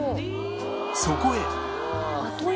そこへ